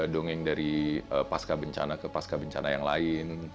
dongeng dari pasca bencana ke pasca bencana yang lain